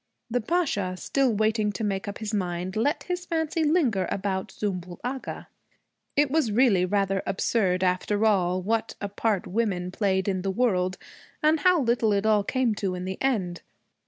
The Pasha, still waiting to make up his mind, let his fancy linger about Zümbül Agha. It was really rather absurd, after all, what a part women played in the world, and how little it all came to in the end!